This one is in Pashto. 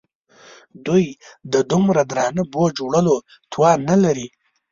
دوی د دومره درانه بوج وړلو توان نه لري.